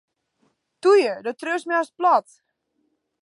Toe ju, do triuwst my hast plat.